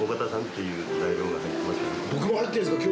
僕も入ってるんですか？